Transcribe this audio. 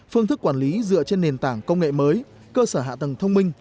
phương thức quản lý dựa trên nền tảng công nghệ mới cơ sở hạ tầng thông minh